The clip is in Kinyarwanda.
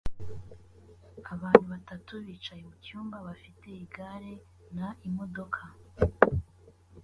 Abantu batatu bicaye mucyumba bafite igare na imodoka